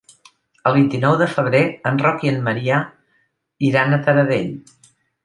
El vint-i-nou de febrer en Roc i en Maria iran a Taradell.